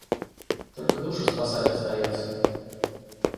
Только душу спасать остается.